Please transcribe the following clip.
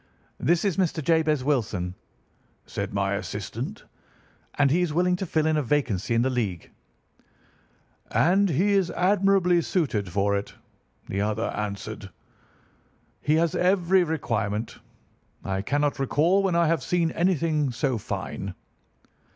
"'This is Mr. Jabez Wilson,' said my assistant, 'and he is willing to fill a vacancy in the League.' "'And he is admirably suited for it,' the other answered. 'He has every requirement. I cannot recall when I have seen anything so fine.